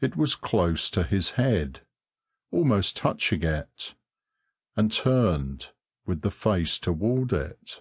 It was close to his head, almost touching it, and turned with the face toward it.